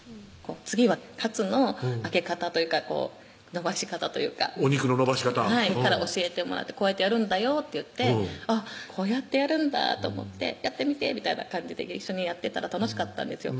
次はカツの揚げ方というか伸ばし方というかお肉の伸ばし方はいから教えてもらって「こうやってやるんだよ」って言ってこうやってやるんだと思って「やってみて」みたいな感じで一緒にやってたら楽しかったんですよ